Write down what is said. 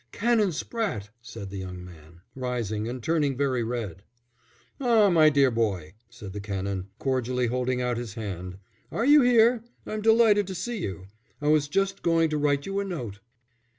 "Canon Spratte!" said the young man, rising and turning very red. "Ah, my dear boy," said the Canon, cordially holding out his hand. "Are you here? I'm delighted to see you. I was just going to write you a note."